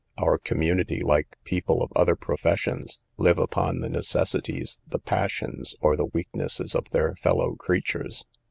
Our community, like people of other professions, live upon the necessities, the passions, or the weaknesses of their fellow creatures.